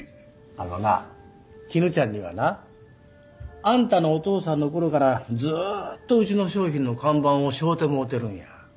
あのな絹ちゃんにはなあんたのお父さんのころからずっとうちの商品の看板をしょうてもうてるんや。